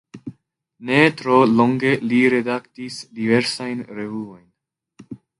Ne tro longe li redaktis diversajn revuojn.